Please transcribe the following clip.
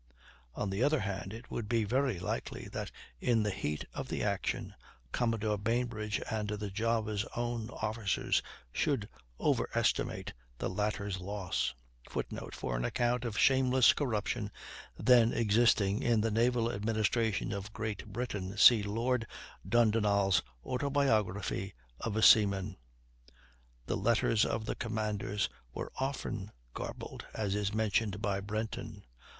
On the other hand, it would be very likely that in the heat of the action, Commodore Bainbridge and the Java's own officers should overestimate the latter's loss. [Footnote: For an account of the shameless corruption then existing in the Naval Administration of Great Britain, see Lord Dundonald's "Autobiography of a seaman." The letters of the commanders were often garbled, as is mentioned by Brenton.